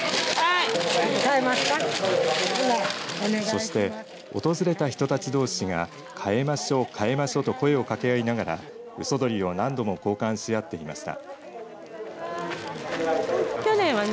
そして、訪れた人たちどうしが替えましょ替えましょと声を掛け合いながらうそ鳥を何度も交換し合っていました。